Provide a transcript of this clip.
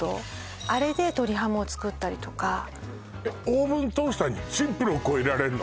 あれで鶏ハムを作ったりとかえっオーブントースターにジップロックを入れられんの？